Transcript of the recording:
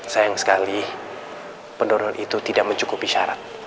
sayang sekali penurunan itu tidak mencukupi syarat